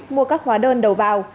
mua các hóa đơn đầu vào